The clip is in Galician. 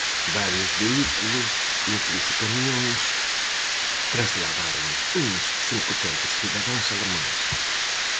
Varios vehículos, incluso camións, trasladaron uns cincocentos cidadáns alemáns.